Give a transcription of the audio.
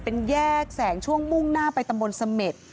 เป็นแยกแสงช่วงมุ่งหน้าไปตำบลเสม็ด